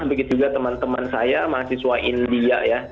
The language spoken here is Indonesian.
begitu juga teman teman saya mahasiswa india ya